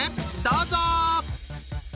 どうぞ！